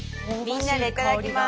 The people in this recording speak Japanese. みんなでいただきます。